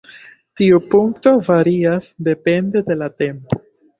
Tiu punkto varias depende de la tempo.